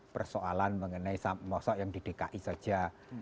persoalan mengenai sosok yang di dki saja